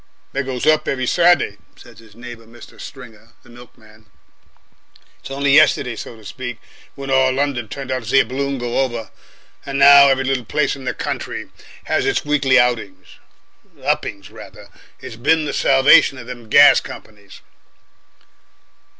"They goes up every Saturday," said his neighbour, Mr. Stringer, the milkman. "It's only yestiday, so to speak, when all London turned out to see a balloon go over, and now every little place in the country has its weekly outings uppings, rather. It's been the salvation of them gas companies."